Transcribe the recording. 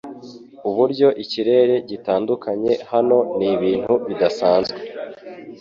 uburyo ikirere gitandukanye hano nibintu bidasanzwe